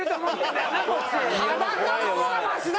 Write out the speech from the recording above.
裸の方がマシだ！